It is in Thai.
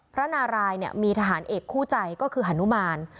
พระนารายเนี่ยมีทหารเอกคู่ใจก็คือฮานุมาน